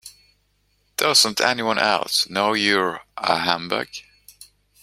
Doesn't anyone else know you're a humbug?